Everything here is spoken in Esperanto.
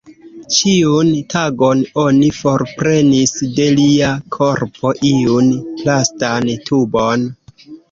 Ĉiun tagon oni forprenis de lia korpo iun plastan tubon.